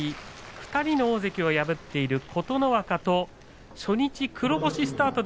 期待の、大関を破っている琴ノ若と初日黒星スタート